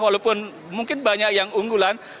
walaupun mungkin banyak yang unggulan